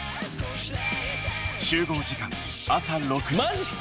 集合時間朝６時。